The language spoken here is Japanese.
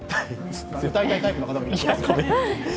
歌いたいタイプの方もいますよね。